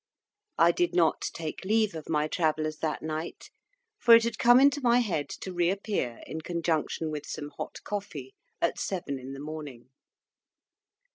I did not take leave of my travellers that night; for it had come into my head to reappear, in conjunction with some hot coffee, at seven in the morning.